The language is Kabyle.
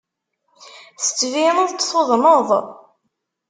Tettbineḍ-d tuḍneḍ.